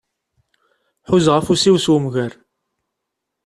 Ḥuzaɣ afus-iw s umger.